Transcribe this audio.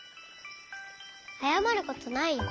あやまることないよ。